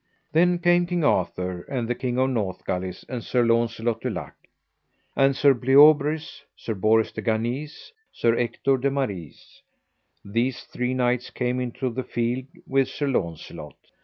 Then came King Arthur, and the King of Northgalis, and Sir Launcelot du Lake; and Sir Bleoberis, Sir Bors de Ganis, Sir Ector de Maris, these three knights came into the field with Sir Launcelot.